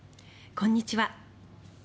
こんにちは。